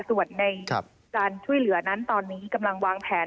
ส่วนในการช่วยเหลือนั้นตอนนี้กำลังวางแผน